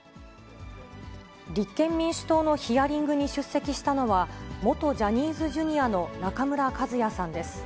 立憲民主党のヒアリングに出席したのは、元ジャニーズＪｒ．の中村一也さんです。